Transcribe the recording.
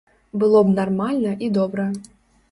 Было б нармальна і добра.